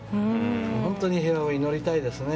本当に平和を祈りたいですね。